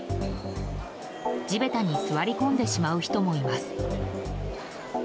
地べたに座り込んでしまう人もいます。